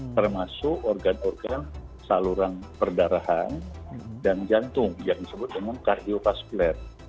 termasuk organ organ saluran perdarahan dan jantung yang disebut dengan kardiofaskuler